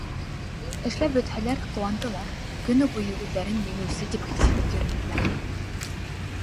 Эшләп бөтһәләр, ҡыуандылар, көнө буйы үҙҙәрен еңеүсе тип хис итеп йөрөнөләр.